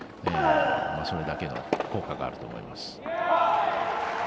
それだけの効果があると思います。